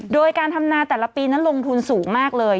โดยการทำนาแต่ละปีนั้นลงทุนสูงมากเลย